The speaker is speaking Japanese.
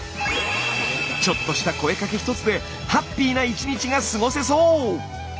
ちょっとした声かけ一つでハッピーな１日が過ごせそう！